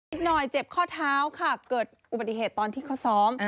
อีกหน่อยเจ็บข้อเท้าค่ะเกิดอุบัติเหตุตอนที่เขาซ้อม